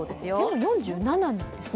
４７なんですね。